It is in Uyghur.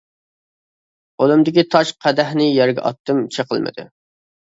قولۇمدىكى تاش قەدەھنى يەرگە ئاتتىم، چىقىلمىدى.